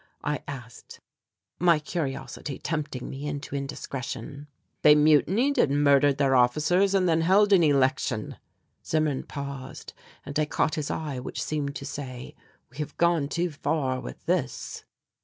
I asked, my curiosity tempting me into indiscretion. "They mutinied and murdered their officers and then held an election " Zimmern paused and I caught his eye which seemed to say, "We have gone too far with this."